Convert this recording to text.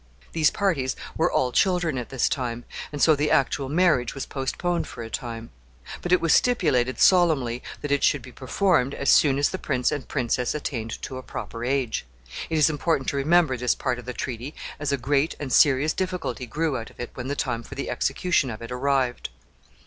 These parties were all children at this time, and so the actual marriage was postponed for a time; but it was stipulated solemnly that it should be performed as soon as the prince and princess attained to a proper age. It is important to remember this part of the treaty, as a great and serious difficulty grew out of it when the time for the execution of it arrived.